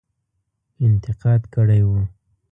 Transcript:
انتقاد کړی وو.